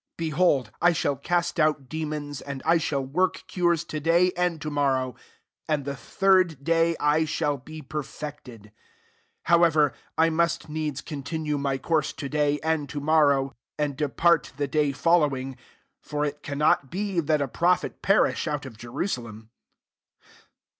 Behold, I shall cast out demons^ and I shall work cures to day and to morrow, and the third day I shall be perfected. S3 However, I must needs continue my course to daj, and to mor row ; and depart the day follow ing : for it cannot be that a pro phet perish out of Jerusalem.